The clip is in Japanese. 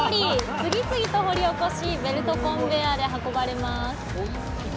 次々と掘り起こしベルトコンベヤーで運ばれます。